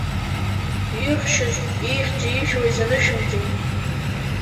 Иршьыз ихьӡи ижәлеи занышәымҵеи?